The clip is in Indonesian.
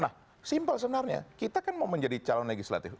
nah simpel sebenarnya kita kan mau menjadi calon legislatif